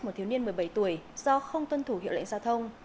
một thiếu niên một mươi bảy tuổi do không tuân thủ hiệu lệnh giao thông